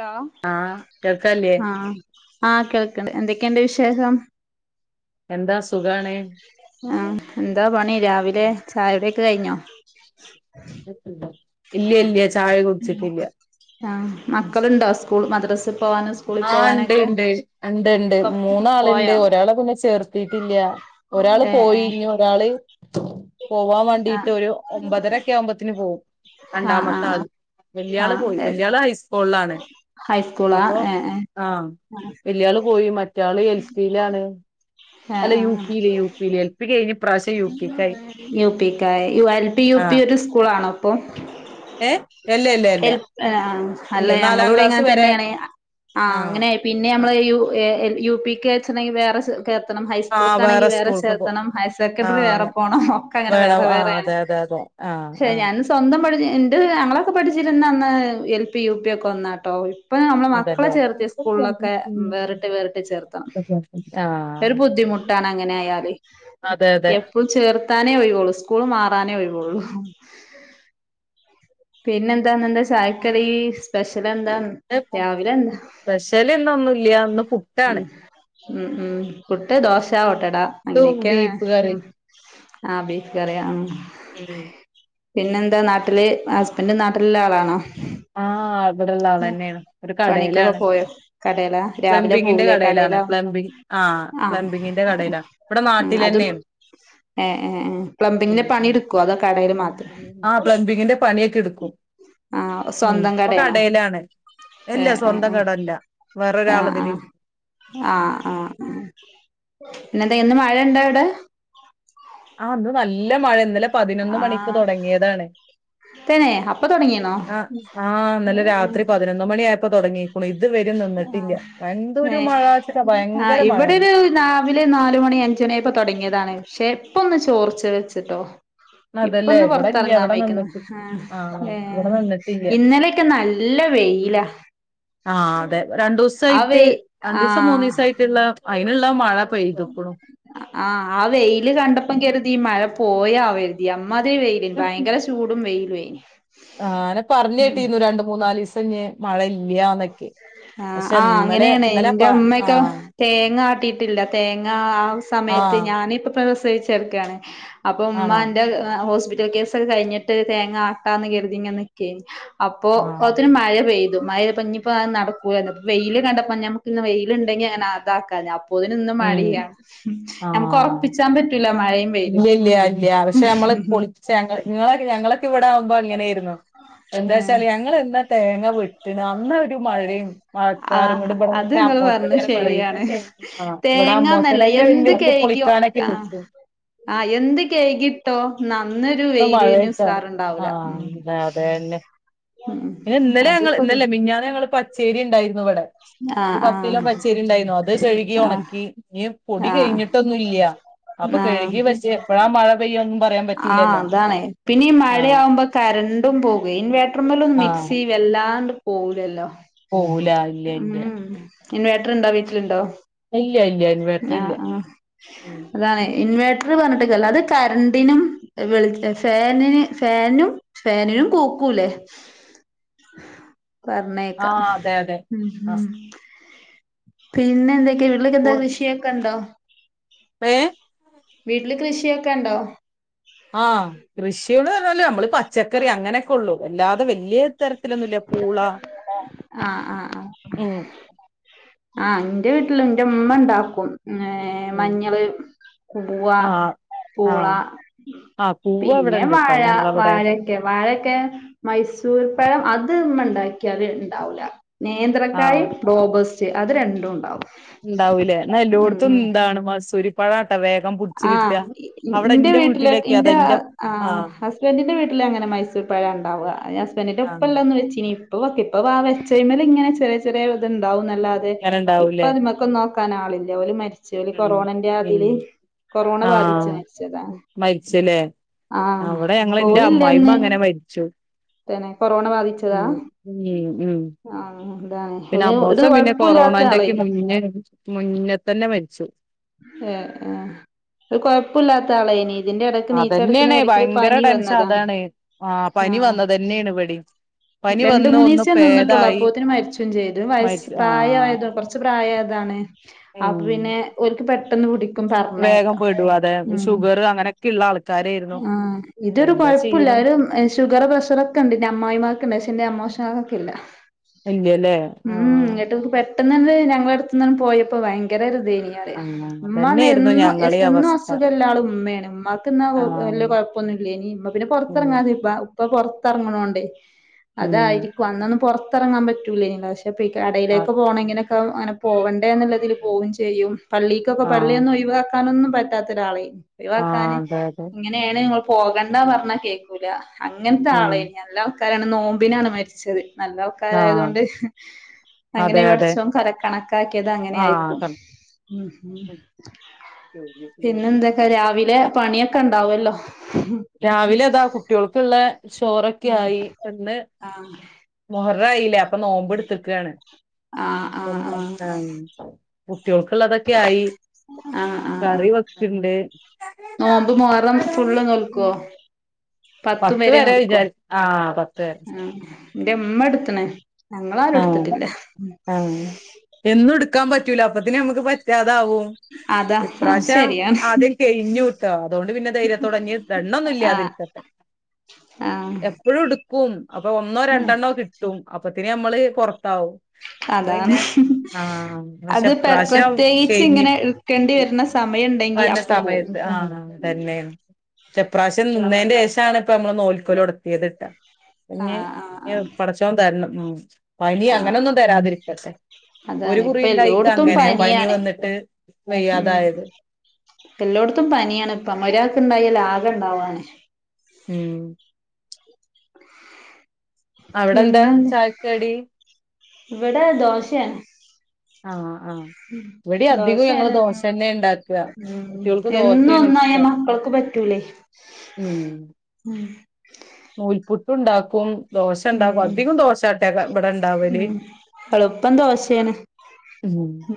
Hello ആഹ് കേൾക്കല്ലേ ആഹ് ആഹ് കേൾക്ക്ണ്ട് എന്തെക്കേണ്ട് വിശേഷം? എന്താ സുഖാണ് ആഹ് എന്താ പണി രാവി ത്തെ ചായുടിയൊക്കെ കഴിഞ്ഞോ? ഇല്ല്യ ഇല്ല്യ ചായ കുട്ച്ചിട്ടില്ല്യാ ആഹ് ഉം മക്കളുണ്ടോ സ്കൂൾ മദ്രസിൽ പോവാനും സ്കൂളിൽ ആഹ് ഇണ്ട് പോവാനൊക്കെ ഇണ്ട് ആഹ് ഇണ്ട് ഇണ്ട് ഉം ഒക്കെ മൂന്നാള്ണ്ട് പോയോ ഒരാള് പിന്നെ ചേർ ത്തിട്ടില്ല ഒരാള് ഏഹ് പോയി ഞ്ഞ് ഏഹ് ഒരാള് പോവാ ആഹ് വാണ്ടീട്ടൊരു ഒമ്പതരക്ക്യാവുമ്പോത്തിന് പോവും ആഹ് രണ്ടാമത്താള് ആഹ് വെല്ല്യാള് ആഹ് പോയി ആഹ് വെല്ല്യാള് ഹൈസ്ക്കൂള്ലാണ് ഹൈസ്കൂളാ അപ്പോ ഏഹ് ആ ഏഹ് വല്യാള് പോയി, മറ്റാള് എൽ പീലാണ്. അല്ല ഏഹ് യു ആഹ് പീല് യു പീല് എൽ പ്പി കഴിഞ്ഞ്. ഇപ്രാവശ്യം യു പിക്കായി യു പി ക്കായി. എൽ പി യു പി ആഹ് ഒരു സ്കൂളാണോ ഇപ്പോ? ഏഹ്? ഇല്ല ഇല്ല ഇല്ല എൽ ഏഹ്? ഇല്ല അല്ല നാലാം ഞങ്ങളുടെ ക്ലാസ് ഇങ്ങനെ വരെ തന്നെയാണ് ആ ആഹ് അങ്ങനെ പിന്നെ ആ നമ്മള് യു എൽ യു പിക്ക് വെച്ചണങ്കി വേറെ കേർത്തണം ആ, ഹൈസ്കൂൾക്കാണെങ്കി വേറെ സ്കൂൾക്ക് പോ ചേർത്തണം ഹൈ- ആ സെക്കന്റെറി വേറെ അങ്ങനെ പോണം ഒക്കെങ്ങനെ വേണം വേറെ ആ വേറെയാണ് അതെ അതെ അതെ ആ ശേ ആ ഞാൻ സ്വൻ- ന്തപഴിഞ്ഞ് എണ്ട് ഞങ്ങളൊക്കെ പഠിച്ചിരിന്ന അന്ന് എൽ പി യു പി ഒക്കെ ഒന്നാട്ടോ. അപ്പൊ നമ്മള് മക്കളെ അതല്ലേ ചേർത്ത് സ്കൂളിലൊക്കെ വേറിട്ട് വേറിട്ട് ചേർത്താം ആ ഒരു ബുദ്ധിമു- മുട്ടാണ് അങ്ങനെ ആയാല് അതെ അതെ എപ്പു ചേർ - ത്താനേ ഒഴിവോള്ളൂ സ്കൂള് മാറാനേ ഒഴിവോള്ളൂ. പിന്നെന്താന്ന എന്താ ചായക്കറി സ്പെഷ്യൽ? ന്നെ എന്താ രാവിലെ എന്താ സ്പെഷ്യൽ ഇന്നൊന്നുല്ല ഇന്ന് പുട്ടാണ് ഉം. ഉം ഉം പുട്ട്, ദോശ, ഓട്ടട പുട്ടും അങ്ങനെയൊക്കെയാന് ബീഫ് ഉം. കറിയും ആഹ് ബീഫ്കറിയാ. ഉം. പിന്നെന്താ നാട്ടില് ഹസ്ബന്റ് നാട്ടിലുള്ള ആളാണോ? ആ ഇവിടെള്ള ആളെന്നെയാണ് ഒരു പണിക്കൊക്കെ കടയിലാണ് പോയോ കടേല രാവിലെ പ്ലംബിങ്ങിന്റെ പൂവലേക്ക കടയിലാണ് കടേല പ്ലംബിങ് ആ ആഹ് പ്ലംബിങ്ങിന്റെ കടയിലാണ് ഇവിടെ ആഹ് അതും നാട്ടിലെന്നെയാണ് ഏഹ് ഏഹ് ഏഹ് ഉം പ്ലംബിങ്ങന് പണി ഉം എടുക്കുവോ അതോ കടേൽ മാത്രം ആ പ്ലംബിങ്ങിന്റെ പണിയൊക്കെ എടുക്കും ആഹ് ഒസ് ഉം സ്വന്തം ഇപ്പൊ കടയാണോ കടയിലാണ് ഇല്ല ഏഹ് ഏഹ് സ്വന്തം കടല്ല ഏഹ് ആഹ് വേറൊരാളതില് ആഹ്. ആഹ് ആഹ് ആഹ് എന്നിട്ട് ഇന്ന് മഴ ഇണ്ടോ അവിട്? ആഹ് ഇന്ന് നല്ല മഴ ഇന്നലെ പതിനൊന്ന് മണിക്ക് ആഹ് തുടങ്ങിയതാണ്. തന്നെ അപ്പൊ തൊടങ്ങിണോ ആഹ് ആഹ് ഇന്നലെ രാത്രി പതിനൊന്ന് മണി ആയപ്പോ തൊടങ്ങീകുണു നിന്നിട്ടില്ല വ ഏഹ് ആഹ് ഇവിടെ ഒരു രാവിലെ നാലുമണി അഞ്ചുമണി ആയപ്പോ തുടങ്ങിയതാണ്. പക്ഷെ ഇപ്പൊന്ന് ചോർച്ച് വെച്ചിട്ടോ. അതല്ലേ ഇപ്പൊന്ന് ഇവിടെ ഇല്ല പുറത്തിറങ്ങാൻ ഇവിടെ വയ്ക്കുന്ന് നിന്നിട്ട് ആഹ് ഇവിടെ ഏഹ് നിന്നിട്ടില്ല ഇന്നലെയൊക്കെ നല് ല്ല വെയില ആഹ് അതെ രണ്ടോസായിട്ട് രണ്ടീസം മൂന്നീസായിട്ട്ള്ള ആഹ് ആഹ് വെയില് കണ്ടപ്പം കരുതി ഈ മഴ പോയാവെര്തി അം മതിരി വെയിലേന് ഭയങ്കര ചൂടും വെയിലു ഏഞ് ആനെ പർഞേട്ടീന്നു രണ്ട് മൂന്നാലീസം ഞ് മഴയില്യാ ന്നൊക്കെ ആഹ് ആഹ് അങ്ങനെണ് എന്റെ മ്മയൊക്കെ ആഹ് തേങ്ങ ആട്ടിയിട്ടില്ല തേങ്ങ ആഹ് മയത്ത് ആഹ് ഞാനിപ്പ പ്രസവിച്ചക്കാണ് അപ്പൊ ആണോ ഉമ്മന്റെ എഹ് ഹോസ്പി റ്റൽ കേസൊക്കെ കഴിഞ്ഞിട്ട് തേങ്ങ ആട്ടാന്ന് കരുതി ങ്ങെൻ നിക്കേഞ്ഞി അപ്പോ ഒത്തിന് ആഹ് മഴ പെയ് ത് മയെ പഞ്ഞിപ്പോ ആഹ് നടക്കുലല്ലോ പ് വെയില് കണ്ടപ്പോ ഞമ്മുക്ക് ഇന്ന് വെയില്ണ്ടെങ്കി അങ്ങനെ അതാക്കാഞ് അപ് പോതിനിന്നും മഴ ഉം പെയ്യാ ഞമുക്ക് ആഹ് ഒറപ്പിച്ചാൻ പറ്റൂല മഴയെ ഇല്ല ഇല്ല ഇല്ല പക്ഷെ യമ്മള് പൊളിച്ച യങ്ങ ങ്ങളൊക്കെ ഞങ്ങളൊക്കെ ഇവിടെ ആഉമ്പോ ഇങ്ങനെയിരുന്നു. ഏഹ് എന്താച്ചാല് ഞങ്ങള് എന്നാ തേങ്ങ വിട്ടിണ് അന്നൊരു മഴയും മഴക്കാരും കൂടെ ഇവടെങ്ങ പ് പർഞ്ഞെ ശരിയാണ്. ഇവിടെ അമ്മോസൻ തേങ്ങന്നല്ല തന്നെ എന്ത് വല്യ വല്യ കയ്ക്യോ പൊളിക്കാനൊക്കെ ആഹ് നിക്കും ആഹ് എന്ത് കെയ്കിട്ടോ ന്നാ ന്നൊരു ഇന്ന് വെയില് ന് സാറുണ്ടാഊല ഉം തേന്നെ ഉം പിന്നെ ഇന്നലെ യങ്ങള് അതിപ്പോ ഇന്നലെ മിഞാന്ന് ഞങ്ങള് പച്ചേരി ണ്ടായിരുന്നു വെ ആഹ് ഒരു പത്ത് കിലോ ആഹ് പച്ചേരി ണ്ടായിരുന്നു അത് കഴുകി ആഹ് ഉണക്കി ഞ് പൊടി ആഹ് കഴിഞ്ഞിട്ടൊന്നുല്ല്യ. അപ്പൊ ആഹ് കഴുകി വെച്ചേ എപ്പഴാ മഴ പെയ്യൊന്നും പറയാൻ പ ആഹ് അതാണേ പിന്നെ ഈ മഴയാകുമ്പോ കറണ്ടും പോകേ. ഇൻവേർട്ടർമേലും ആഹ് മിക്സി വല്ലാണ്ട് പോവു ലല്ലോ പോവൂല ഇല്ല ഇല്ല ഇൻവേർട്ടർ ഇണ്ടോ വീട്ടില്ണ്ടോ? ഇല്ല, ഇല്ല ഇൻവേർട്ടർ ഇല്ല ആഹ് ആഹ് അതാണ്. ഇൻവേട്ടറ് പർഞ്ഞിട്ട് കാര്യ ഇല്ല അത് കരണ്ടിനും വെളി ഫേനിന് ഫേനും ഫേനും. നും കൂക്കൂലേ? പർണെക്കാ ആഹ് അതെ അതെ ഉം ഉം ആഹ് പിന്നെ എന്തെക്കെ? കിണറിലെക്ക എന്താ കൃഷി? ഇണ്ടോ? [unintelligible] വീട്ടില് കൃഷിയൊക്കെ ഇണ്ടോ? ആഹ് കൃഷിള്ർഞ്ഞാല് നമ്മള് ഈ പച്ചക്കറി അങ്ങനെ [inaudible] പൂള ആഹ് ആഹ് ആഹ് ഉം ആ ഇന്റെ വീട്ടില് ഇന്റെ ഇമ്മ ഇണ്ടാക്കും. ഏഹ് ഉം മഞ്ഞള്, കുവ്വ, ആഹ് പൂള ആഹ് ആഹ് പൂവ് അവിടെ പിന്നെ ഉണ്ട് ട്ടോ വാഴ ഞങ്ങളവിടെ വാഴെക്കെ വാഴെക്കെ മൈസൂർ പഴം അത് ഇമ്മ ഇണ്ടാക്കിയാൽ ഇണ്ടാവൂല. ആഹ് നേന്ത്രക്കായിം റോബസ് റ്റ് അത് രണ്ടും ഇണ്ടാവും ഇണ്ടാവുലെ ഇന്നാ എല്ലോട്ത്തും ഇണ്ടാവ്ണ് മസൂരിപ്പഴാണ് ആ ഇന്റെ എന്റെ വീട്ടിലൊക്കെ അതാ ഇന്റെ ആ എന്റെ ആ ആഹ് ഹസ്ബൻഡിന്റെ വീട്ടിൽ അങ്ങനെ മൈസൂർ പഴാ ഇണ്ടാവാ അയ് ഹസ്ബന്ഡറിന്റെ ഉപ്പ ആഹ് ഇള്ള അന്ന് വെച്ചിനി ഇപ്പ വെക്ക ഇപ്പ വാ വെച്ചഴ്മൽ ഇങ്ങനെ ചെറിയ ചെറിയ ഇത്ണ്ടാവും നല്ലാതെ അങ്ങനെ ഇപ്പ ഉണ്ടാവൂലേ അത്‌മക്ക് നോ ക്കാനാളില്ല ഓൽ മരച്ച് ഓൽ കൊറോണന്റെ ആതിൽ ആ മരിച്ച്‌ലെ ആഹ് അവ്ടെ ഞങ്ങൾ ഇന്റെ അമ്മായിമ്മ പോലില്ലന്ന് അങ്ങനെ മരിച്ച് തന്നെ കൊറോണ ബാധിച്ചതാ ഉം ഉം ഉം ആഹ് ഇതാണ് പിന്നെ ഒരു ഒരു അമ്മേസം പിന്നെ കൊഴപ്പുല്ലാത്ത കൊറോണന്റെക്കെ ആളേനി മുന്നേ മുന്നേ തന്നെ മര് ഏ ആ ഒരു കൊഴപ്പുല്ലാത്ത ആളെയ്നി ഇതിന്റെ എടക്ക് നീച്ച് നടക്ക്ണ് അതന്നെയാണ് എടക്കില് ഭയങ്കര പനി ടെൻഷൻ വന്നതാണ് അതാണ് ആഹ് ആ പനി വന്നത് തന്നെയാണ് ഇവിടേം പനി രണ്ട് വന്ന് ഒന്ന് മൂന്നിസെ നിന്നിട്ടൊള്ളു പേതായി അപ്പത്തിന് മരിച്ചും ചെയ്ത് വയസ് മരിച്ചു ആഹ് പ്രായായതുആ കൊർച്ച് പ്രായയാതാ താണ് അപ്പൊ ഉം പിന്നെ ഓൽക്ക് പെട്ടെന്ന് പുടി ക്കും പർണെക്ക വേഗം പെടും അതെ ഉം ഷുഗർ അങ്ങനെയൊക്കെ ഉള്ള ആൾക്കാരായിരുന്നു ആ ഇതൊരു എന്താ കൊഴപ്പും ഇല്ലാ ചെയ്യണെ ഒരു ഷുഗർ പ്രഷർ ഒക്കെ ഇണ്ട് ഇന്റെ അമ്മായിമ്മാക്ക് ഇണ്ട് പക്ഷെ ഇന്റെ അമ്മോശം കാക്കാക്ക് ഇല്ല ഇല്ലല്ലേ ഉം ആഹ് ഇന്നട്ടും പെട്ടെന്നാണ്ട് ഞങ്ങളെ എട്ത്ത്ന്നാണ്ട് പോയപ്പോ ഭയങ്കര ഒരു ഇതെയ്നി [unintelligible] ഉമ്മാ പർണാ എന്നും ഞങ്ങളീം എന്നും അവസ്ഥ അസുഖം ഇല്ല ആൾ ഇമ്മെയാണ് ഇമ്മാക്ക്ന്നാ ആഹ് വല്ല്യ കുഴപ്പൊന്നു ഇല്ലെയ്നി ഇമ്മ പി പിന്നെ ഉം പൊറത്തെറങ്ങാതെ ആയി ബാ ഇപ്പ പൊർത്തറങ്ങ്ണോണ്ടേ ഉം അതായിരിക്കും അന്നൊന്നും പൊറത്തെറങ്ങാൻ പറ്റൂലെയ്നി പിന്നപ്പി ആഹ് കടയിലേക്ക് പോണെ ഇങ്ങനെയൊക്കെ അങ്ങനെ പോവണ്ടേ എന്നതിൽ പോവും ചെയ്യും പള്ളിക്കൊക്കെ ആഹ് പള്ളിയൊന്നും ഒഴിവാക്കാനൊന്നും പറ്റാത്ത ഒരാളെയിനി ആഹ് ഒഴിവാക്കാന് അതെ അതെ ഇങ്ങനെയാണ് പ പോകണ്ടാ പറഞ്ഞാ കേക്കൂല അങ്ങൻത്തെ ഉം ആളെയിനി നല്ല ആൾക്കാരാണ് നോമ്പിനാണ് മരിച്ചത് നല്ല ആഹ് ആൾക്കാരായതൊണ്ട് അങ്ങനെ അതെ അതെ പടച്ചോൻ കര കണക്കാക്കിയത് അങ്ങനെ ആഹ് ആയിരിക്കും ക ഉം പിന്നെ എന്തൊക്കെ രാവിലെ പണിയൊക്കെ ഇണ്ടാവല്ലോ രാവിലെ താ കുട്ടൊൾക്കുള്ളെ ചോറൊക്കെ ഉം ആയി ഇന്ന് ആഹ് മൊഹററായിലെ അപ്പൊ നോമ്പ് ഇടത്ത്ക്കാണ് ആഹ് ആഹ് ആഹ് [unintelligible] ആ കുട്ടോൾക്ക് ഇള്ളതൊക്കെ ആയി ആഹ് ആഹ് ആഹ് കറി വെക്ക്ണ്ട് നോമ്പ് മുഹറം ഫുള്ള് നോൽക്കോ പത്തു പത്ത് വെരെ വരെ നോൽക്കോ വിചാരി ആഹ് പത്ത് വരെ ആ ഇന്റെ ഇമ്മ ഇട്ത്ത്ണ് ഞങ്ങൾ ആരും ആഹ് ഇട്ത്തിട്ടില്ല ക്കാൻ പറ്റൂല അപ്പത്തിന് അമ്മക്ക് പറ്റാ അതാ ആഹ് ഇപ്രാവശ്യം ശരിയാണ് ആദ്യം കെഴിഞ്ഞുട്ടോ അതോണ്ട് പിന്നെ ധൈര്യത്തോടെ ഇഞ് ദണ്ണൊന്നും ആഹ് ഇല്ലതിരിക്കട്ടെ [inaudible] ആഹ് എപ്പളുംട്ക്കും. അപ്പൊ ഒന്നോ രണ്ടെണ്ണോ കിട്ടും. അപ്പത്തിന് നമ്മള് പൊറത്താവും. അപ്പ അതാണ് പിന്നെ ആ പക്ഷെ അത് പെ ഇപ്രാവശ്യം പ്രത്യേകിച്ച് ഇങ്ങനെ [unintelligible] ഇട്ക്കേണ്ടി വരുന്ന സമയണ്ടെങ്കി വന്ന അപ്പ പോകും. സമയത്ത് ആ തന്നെ ഇപ്രാശ്യം നിന്നേ- ദേശാണ് ഇപ്പ നമ്മള് നോൽക്കോലൊടത്തിയത് ട്ടോ പിന്നെ ആഹ് ആഹ് ആഹ് പടച്ചോൻ തരണം. പനി അങ്ങനെ ആഹ് ഒന്നും തരാതിരിക്കട്ടെ. ആഹ് ഒരു അതാണ് ഇപ്പ എല്ലോട്ത്തും കുറിണ്ടായിക്കങ്ങനെ പനി പനിയാണ്. വന്നിട്ട് ഉം വയ്യാതായത്. എല്ലോട്ത്തും പനിയാണ് ഇപ്പ ഒരാക്ക് ഇണ്ടായാല് ആകെ ണ്ടാവാണ് ഉം അവിടെ എന്താ പിന്നെന്ത് ചായക്കടി ഇവിടെ ദോശേണ്. ആഹ് ആഹ് ഇവിടെ അധികം ഞങ്ങള് ദോശയാണ് ദോശ തന്നെ ഉണ്ടാക്കുക ഉം കുട്ടികൾക്ക് എന്നും ദോശയാണ് ഒന്നായ മക്കൾ- പറ്റൂലേ മ് ഉം നൂൽപുട്ട് ഉണ്ടാക്കും. ദോശ ഉം ഇണ്ടാവും അധികം ദോശാട്ടെ ഇവിടെ ഇണ്ടാവല്. ഉം ഉ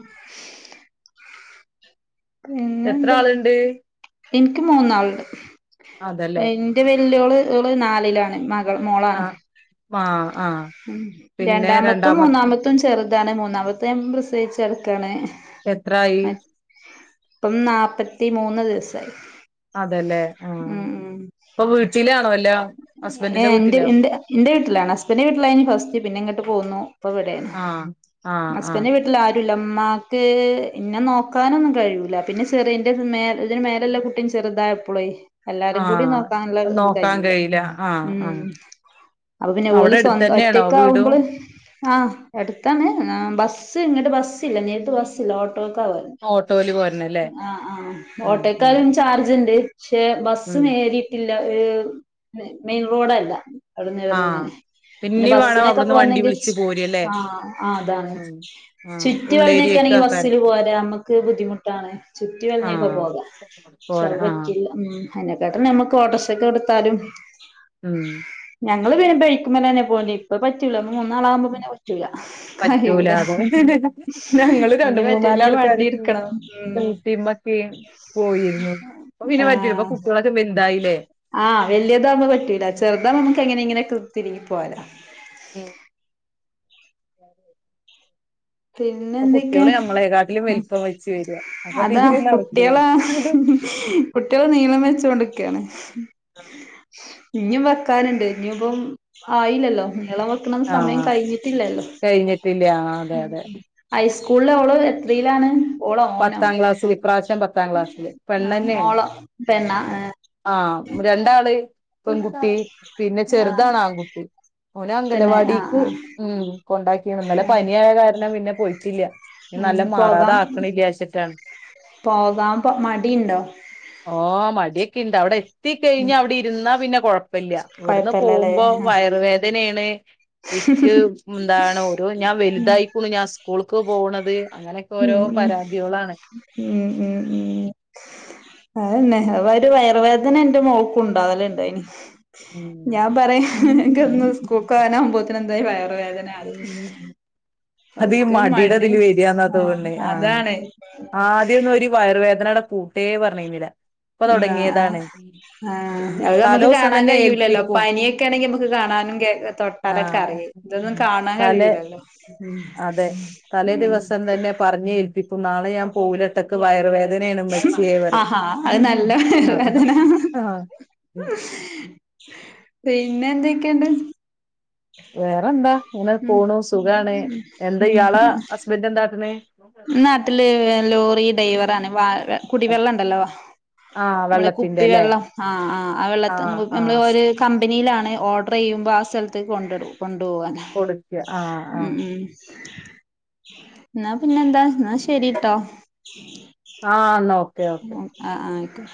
എത്ര ആളുണ്ട്? ൻക്ക് മൂന്നാള്ണ്ട്. അതല്ലേ ന്റെ വെല്യോള് നാലിലാണ് മക- മോളാണ് ആഹ് ആഹ് ആഹ് ഉം പിന്നെ രണ്ടാമത്തും രണ്ടാമത്തെ മൂന്നാമത്തും ചെറുതാണ് മൂന്നാമത്തെ ഞ പ്രസ- തെര്ക്കാണ് എത്രായി. ഇപ്പം നാല്പ്പത്തി മൂന്ന് ദിവസായി. അതെല്ലേ ആ ഉം ഇപ്പൊ വീട്ടിലാണല്ലോ ഏ ന്റെ ന്റെ വീട്ടിലാണ് ഹസ്ബൻന്റെ വീട്ടിലായിന്ന് ഫസ്റ്റ് പിന്നെ ഇങ്ങോട്ട് പോന്നു പ്പൊ വിടെണ്. ആഹ് ആഹ് ആഹ് ഹുസ്ബൻഡ വീട്ടില് ആ. മ്മാക്ക് ഇന്നെ നോക്കാനൊന്നും കഴൂല പിന്നെ ചെറന്റെ ഇതിന്റെ മേലെല്ലെ കുട്ട- ചെറുതായപ്പോള എല്ലാരും കൂടി നോക്കാനുള്ള ഇത് കയൂല. ല്ല ആ ആ അപ്പൊ പിന്നെ ഓല സ്വന്തം ഒറ്റക്ക ആവുമ്പോൾ ആ എടുത്താണ് ബസ്സ് ഇങ്ങട്ട് ബസ്- ട്ടില്ല നേരിട്ട് ബസ്സില്ല ഓ ഓട്ടോക്ക ആ ഓട്ടോയില് പോരണല്ലേ ആ ആ ഉം ഉം ഓട്ടോക്കാരും ചാർജ് ണ്ട്. പക്ഷെ ബസ് ഉം നേരിട്ടില്ല ഏ മെയിൻ റോഡല്ല. അവിടുന്ന് ആഹ് ഇടന്നിങ്ങനെ. പിന്നെ പിന്നീ വേണം ബസ്സിനൊക്കെ അവിടുന്ന് വണ്ടി പോന്നെങ്കിൽ വിളിച്ച് പോരല്ലേ ആ ആ അതാണ് ഉം ആഹ് ചുറ്റി വള്ഞ്ഞൊക്കെ- ഉള്ളേരിയക്ക് ഈ ബസ്സിൽ ആക്കാരം പോരാ നമ്മുക്ക് ബുദ്ധിമുട്ടാണ് ചുറ്റി വള്ഞ്ഞൊക്കെ ആഹ് പോകാം- ച പോര ആഹ് പറ്റില്ല ഉ അതിനെക്കാട്ടെ നമ്മുക്ക് ഓട്ടർ സക്ക് കൊടുത്താലും. ഉം ഞങ്ങള് ബൈക്ക്മ്മെന്നെ പോണ്ട് ഇപ്പ പറ്റൂല മൂന്നാളാകുമ്പോ പിന്നെ- റ്റൂല കഴൂല പറ്റൂലാതെ ഞങ്ങള് രണ്ട് ഇനി പറ്റ ഇനി മൂന്നാലാൾക്കാര് വണ്ടി എടുക്കണം ഉ- [unintelligible] പോയിരുന്നു പ്പൊ പിന്നെ പറ്റൂല്ല പ്പൊ ആഹ് കുട്ട്യാളൊക്കെ വെല്തായ് ല്ലേ. ആഹ് വലിയതാവ്പോ പറ്റൂല ചെറുതാ നമുക്ക് എങ്ങനെ ഇങ്ങനെ തിരികി പോര ഉം [inaudible] പിന്നെ ഇപ്പൊ എന്തൊക്കെയാ കുട്ടികള് നമ്മളെക്കാട്ടിലും വലിപ്പം വെച്ച് വരിക അപ്പൊ അതാ തീരെ കുട്ട്യാ നടക്കൂല ളാ- കുട്ടികളെ നീളം വെച്ചു കൊണ്ടക്കണ്. ആ ഇനും വെക്കാനുണ്ട്. ഇനിപ്പം ആയില്ലല്ലോ. നീളം വെക്കണ സമയം ആഹ് കഴിഞ്ഞിട്ടില്ലല്ലോ. കഴിഞ്ഞിട്ടില്ല ആഹ് അതെ അതെ ഹൈസ്കൂളില ഓള് എത്രേലാണ്? പത്താം ക്ലാസ് വിപ്രാവശ്യം പത്താം ക്ലാസ്സില് ആഹ് പെണ്ന്നെയാണ് മോളോ പെണ്ണാ ആഹ് ആ രണ്ടാള് ഇപ്പൺകുട്ടി പിന്നെ ആഹ് ചെറുതാണ് ആൺകുട്ടി ഓന പിന്നെ ആഹ് അംഗലവാടിക്ക് ആഹ് ഉം കൊണ്ടാക്കിന്നല്ല ആഹ് പനിയായ കാരണം പിന്നെ പോയിട്ടില്ല ഉം നല്ല മാറാതെ ആ ച്ചിട്ടം പോകാ പ മടീണ്ടോ ണ്ട് അവിടെ കത്തി കഴിഞ്ഞ അവിടെ ഇരുന്നാ പിന്നെ കൊഴപ്പമില്ല ഇവിടുന്ന് കൊഴപ്പല്ലല്ലേ പോകുമ്പോ ആഹ് വയുവേദനയാണ് എക്ക് എന്താണ് ഓരോ ഞാൻ ഉം വലുതായിക്കണു ഞാൻ സ്കൂൾക്ക് പോകണത് അങ്ങനെയൊക്കെ ഓരോ ഉം ഉം പരാതികളാണ് ഉംഉം ഉം അതന്നെ അവ ഒരു വയറവേദന എന്റെ മോക്ക്ണ്ടാവലുണ്ടായിനി ഉം. ഞാൻ പറയാ എ സ്കൂൾക്ക വാനാാവുമ്പോത്തിന എന്തായ വയറ വേദന [unintelligible] അത് മടിലതില് വരിയാെന്നാ ആഹ് തോന്നണേ ആ അതാണ് ആ ആദ്യംൊന്നും ഒരു വയറുവേദനയുടെ കൂട്ടേ പറഞ്ഞിരുന്നില്ല ഇപ്പൊ തുടങ്ങിയതാണ് ആ ഉം അത് നമുക്ക് തലോസം കാണാൻ തന്നെ കഴിയൂലല്ലോ ഏൽപ്പിക്കും പനിയൊക്കെ ആണെങ്കി നമുക്ക് കാണാനും തൊട്ടാലൊക്കെ ആഹ് അറിയേ ഇതൊന്നും കാണാൻ തലേ കഴിയലല്ലോ ഉം അതെ തലേ ഉം ദിവസം തന്നെ പറഞ്ഞഞ് ഏൽപ്പിക്കും നാളെ ഞാൻ പോകലിട്ടക്ക് വയർ വ താനെ മച്ചിയേ പറയും ആഹാ അത് നല്ല വയറുവേദന ആ പിന്നെ എന്തൊക്കെയണ്ട് വേറെ എന്താ ഇങ്ങനെ പോണു സുഖാണ് എന്താ ഇയാളാ ഉം ഹസ്ബൻഡ എന്താട്ടന് നാട്ടില് ലോറി ഡ്രൈവറണ് വ കുടിവെള്ളംണ്ടല്ലോ ആഹ് നമ്മളെ വെള്ളത്തിന്റെ കുപ്പി ല്ലേ വെള്ളം ആ ആ ആ വെള്ളത്തി ആഹ് നമ്മള് ആഹ് ഒരു കമ്പനിയിലാണ് ഓർഡർ ചെയ്യുമ്പോ ആ സ്ഥലത്തേക്ക് കൊണ്ട കൊണ്ടു പോവാ കൊടുക്ക ആഹ് ഉം ആഹ് ഉം എന്നാ പിന്നെന്താ എന്നാ ശരിട്ടോ ആ നോക്ക ആ ആ ആയിക്കോ